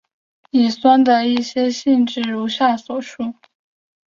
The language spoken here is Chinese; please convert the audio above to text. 乙酸的一些性质如下所述。